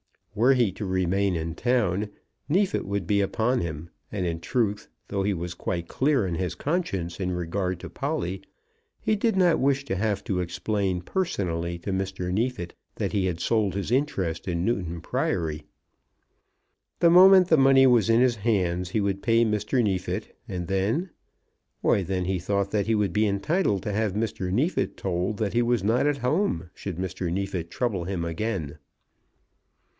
Were he to remain in town, Neefit would be upon him; and, in truth, though he was quite clear in his conscience in regard to Polly, he did not wish to have to explain personally to Mr. Neefit that he had sold his interest in Newton Priory. The moment the money was in his hands he would pay Mr. Neefit; and then ; why then he thought that he would be entitled to have Mr. Neefit told that he was not at home should Mr. Neefit trouble him again.